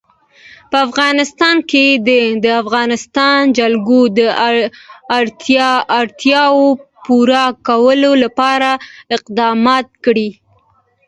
په افغانستان کې د د افغانستان جلکو د اړتیاوو پوره کولو لپاره اقدامات کېږي.